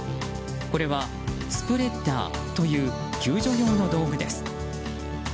これはスプレッダーという救助用の道具です。